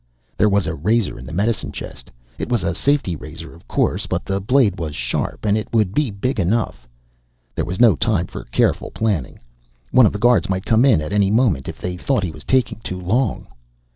There was a razor in the medicine chest. It was a safety razor, of course, but the blade was sharp and it would be big enough. There was no time for careful planning. One of the guards might come in at any moment if they thought he was taking too long.